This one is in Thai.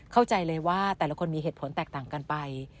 เข้าใจเลยว่าแต่ละคนมีเหตุผลแตกต่างกันไป